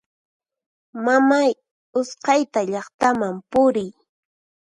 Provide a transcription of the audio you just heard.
Mamay usqhayta llaqtaman puriy!